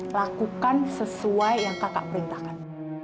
lakukan sesuai yang kakak perintahkan